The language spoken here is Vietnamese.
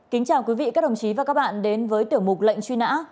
kính chào quý vị các đồng chí và các bạn đến với tiểu mục lệnh truy nã